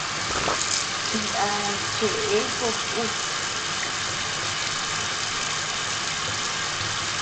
Nda cheʼe jobe ku.